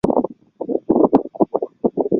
陈朝自从灭亡。